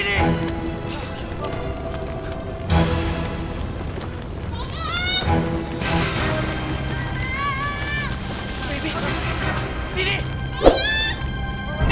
istri sama anak saya sudah nunggu di rumah